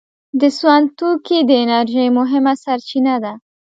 د سون توکي د انرژۍ مهمه سرچینه ده.